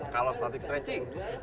kalau static stretching